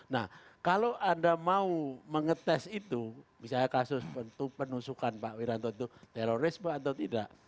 nah kalau anda mau mengetes itu misalnya kasus penusukan pak wiranto itu terorisme atau tidak